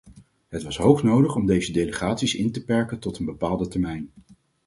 Het was hoog nodig om deze delegaties in te perken tot een bepaalde termijn.